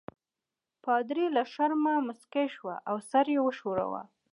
پادري له شرمه مسکی شو او سر یې وښوراوه.